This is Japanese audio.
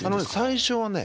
最初はね